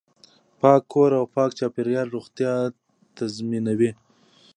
پاک کور او پاک چاپیریال روغتیا تضمینوي.